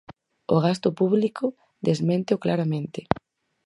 O gasto público desménteo claramente.